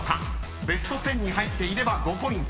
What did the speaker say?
［ベスト１０に入っていれば５ポイント］